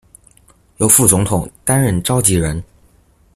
由副總統擔任召集人